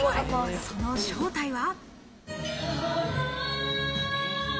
その正体は。